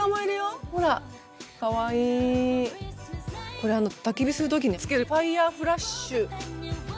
これたき火する時に付けるファイヤーフラッシュ。